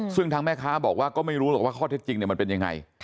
ซึ่งทางแม่ค้าบอกว่าก็ไม่รู้หรอกว่าข้อเท็จจริงมันเป็นยังไง